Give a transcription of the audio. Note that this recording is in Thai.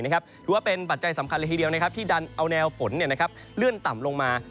ที่ว่าเป็นแผ่นที่ดั้งแค่เอาแนวสมุดฝนเลือนต่ำลงมา